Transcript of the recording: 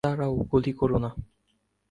দাঁড়াও, গুলি করো না।